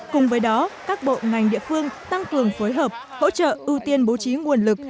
cùng với đó các bộ ngành địa phương tăng cường phối hợp hỗ trợ ưu tiên bố trí nguồn lực